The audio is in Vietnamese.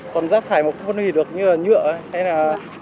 còn rác thải mà không phân hủy được như là nhựa hay là